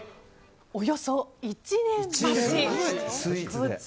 およそ１年待ち。